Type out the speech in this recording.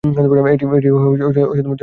এটি জনসাধারনের জন্য উন্মুক্ত।